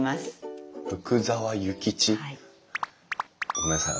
ごめんなさい